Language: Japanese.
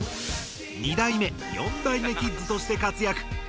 ２代目４代目キッズとしてかつやく。